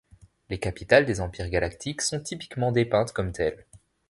Les capitales des empires galactiques sont typiquement dépeintes comme telles.